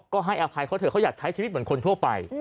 ก็ให้อภัยเขาเถอะเขาอยากใช้ชีวิตเหมือนคนทั่วไป